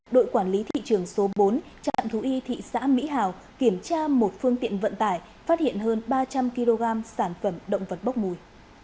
đội quản lý thị trường số bốn trạm thú y thị xã mỹ hào kiểm tra một phương tiện vận tải phát hiện hơn ba trăm linh kg sản phẩm động vật bốc mùi